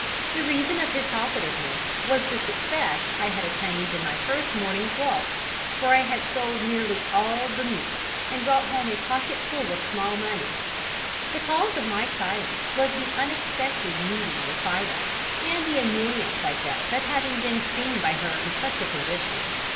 The reason of his talkativeness was the success I had attained in my first morning's walk, for I had sold nearly all the meat, and brought home a pocket full of small money. The cause of my silence was the unexpected meeting with Fida, and the annoyance I felt at having been seen by her in such a position.